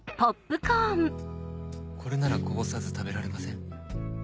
これならこぼさず食べられません？